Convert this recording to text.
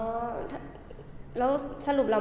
คุณพ่อได้จดหมายมาที่บ้าน